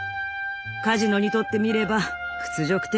カジノにとってみれば屈辱的でした。